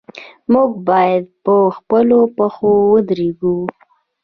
موږ باید په خپلو پښو ودریږو.